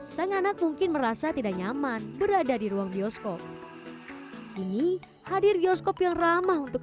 sang anak mungkin merasa tidak nyaman berada di ruang bioskop kini hadir bioskop yang ramah untuk